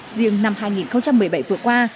riêng năm hai nghìn một mươi bảy vừa qua